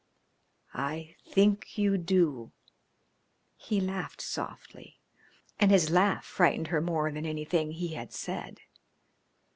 "I think you do." He laughed softly, and his laugh frightened her more than anything he had said.